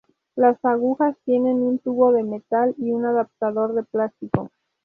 Las agujas tienen un tubo de metal y un adaptador de plástico.